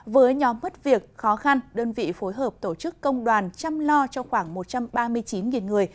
với nhóm mất việc khó khăn đơn vị phối hợp tổ chức công đoàn chăm lo cho khoảng một trăm ba mươi chín người